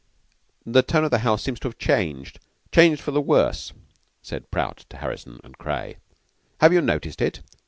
"The tone of the house seems changed changed for the worse," said Prout to Harrison and Craye. "Have you noticed it?